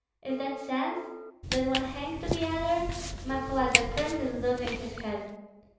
Is that sense? Does one hang to the other? Ma foi, the prince is losing his head.